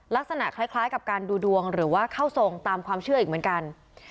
ลักษณะคล้ายกับการดูดวงหรือว่าเข้าทรงตามความเชื่ออีกเหมือนกัน